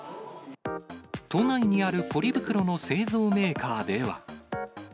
都内にあるポリ袋の製造メーカーでは。